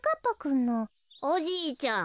おじいちゃん。